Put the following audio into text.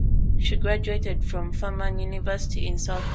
She graduated from Furman University in South Carolina.